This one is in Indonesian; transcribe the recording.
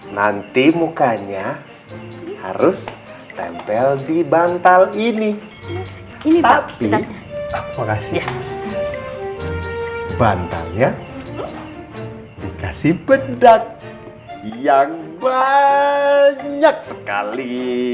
nanti mukanya harus tempel di bantal ini tapi aku kasih bantalnya dikasih bedak yang banyak sekali